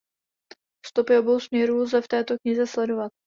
Stopy obou směrů lze v této knize sledovat.